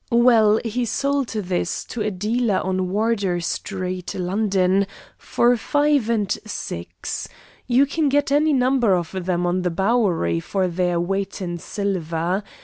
Well, he sold this to a dealer on Wardour Street, London, for five and six. You can get any number of them on the Bowery for their weight in silver.